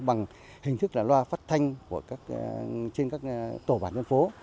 bằng hình thức là loa phát thanh trên các tổ bản thân phố